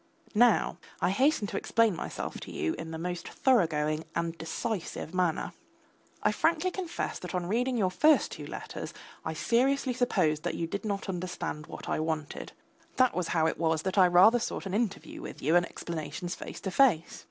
Now I hasten to explain myself to you in the most thoroughgoing and decisive manner. I frankly confess that on reading your first two letters I seriously supposed that you did not understand what I wanted; that was how it was that I rather sought an interview with you and explanations face to face.